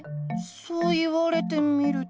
そう言われてみると。